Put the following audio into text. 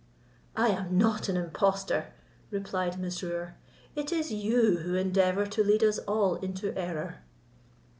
"I am not an impostor," replied Mesrour; "it is you who endeavour to lead us all into error."